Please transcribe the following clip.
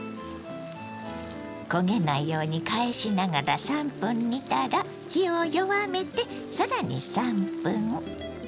焦げないように返しながら３分煮たら火を弱めてさらに３分。